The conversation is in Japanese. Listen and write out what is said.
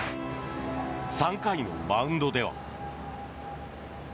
３回のマウンドでは。